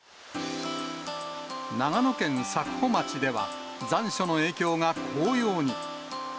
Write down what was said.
長野県佐久穂町では、残暑の影響が紅葉に。